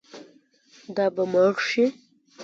دا به مړ شي.